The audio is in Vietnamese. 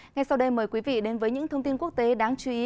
ngay sau đây mời quý vị đến với những thông tin quốc tế đáng chú ý